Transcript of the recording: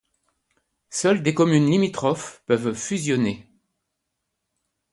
Seules des communes limitrophes peuvent fusionner.